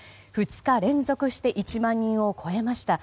２日連続して１万人を超えました。